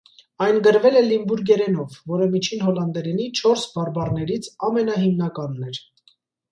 Այն գրվել է լիմբուրգերենով, որը միջին հոլանդերենի չորս բարբառներից ամենահիմնականն էր։